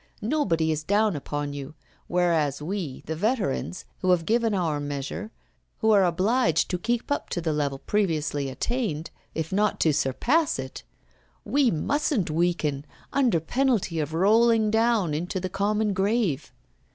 Nobody is down upon you; whereas we, the veterans, who have given our measure, who are obliged to keep up to the level previously attained, if not to surpass it, we mustn't weaken under penalty of rolling down into the common grave.